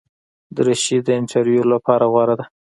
دریشي د انټرویو لپاره غوره ده.